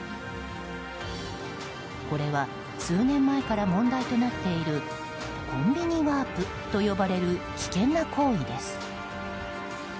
これは数年前から問題となっているコンビニワープと呼ばれる危険な行為です。